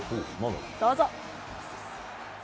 どうぞ。